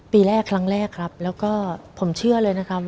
ปีแรกครั้งแรกครับแล้วก็ผมเชื่อเลยนะครับ